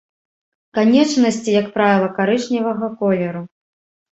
Канечнасці, як правіла, карычневага колеру.